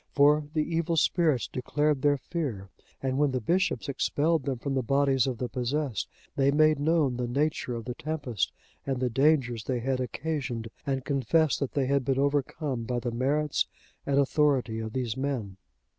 For the evil spirits declared their fear, and when the bishops expelled them from the bodies of the possessed, they made known the nature of the tempest, and the dangers they had occasioned, and confessed that they had been overcome by the merits and authority of these men.